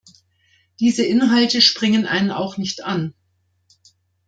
Diese Inhalte springen einen auch nicht an.